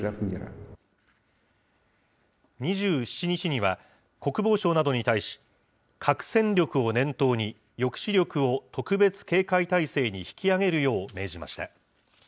２７日には国防相などに対し、核戦力を念頭に、抑止力を特別警戒態勢に引き上げるよう命じました。